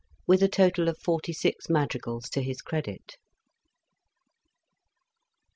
with a total of forty six madrigals to his credit.